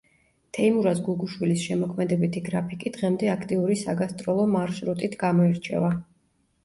თეიმურაზ გუგუშვილის შემოქმედებითი გრაფიკი დღემდე აქტიური საგასტროლო მარშრუტით გამოირჩევა.